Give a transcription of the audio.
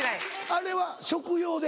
あれは食用で？